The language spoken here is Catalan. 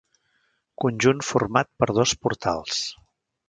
Conjunt format per dos portals.